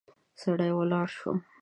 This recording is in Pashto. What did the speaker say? سړی ولاړ شو.